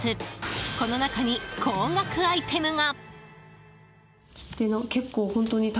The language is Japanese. この中に、高額アイテムが。